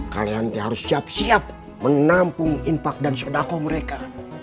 kalian harus siap siap menampung infak dan sodako mereka